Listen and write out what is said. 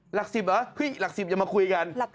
หลัก๑๐เหรอหลัก๑๐อย่ามาคุยกัน